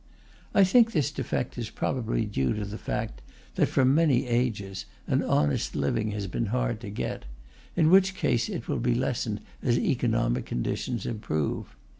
I think this defect is probably due to the fact that, for many ages, an honest living has been hard to get; in which case it will be lessened as economic conditions improve.